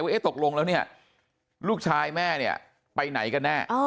ว่าตกลงแล้วลูกชายแม่ไปไหนก็แน่